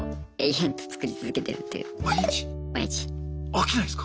飽きないすか？